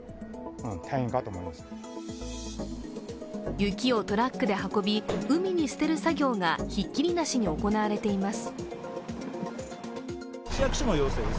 雪をトラックで運び、海に捨てる作業がひっきりなしに行われています。